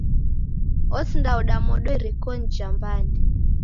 Osindaoda modo irikonyi ja mbande.